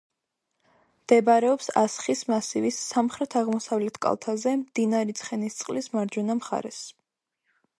მდებარეობს ასხის მასივის სამხრეთ-აღმოსავლეთ კალთაზე, მდინარე ცხენისწყლის მარჯვენა მხარეს.